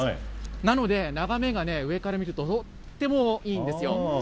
なので眺めが上から見ると、とってもいいんですよ。